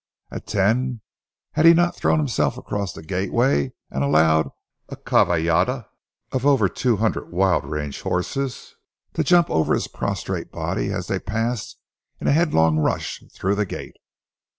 At ten, had he not thrown himself across a gateway and allowed a caballada of over two hundred wild range horses to jump over his prostrate body as they passed in a headlong rush through the gate?